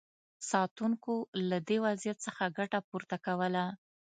ساتونکو له دې وضعیت څخه ګټه پورته کوله.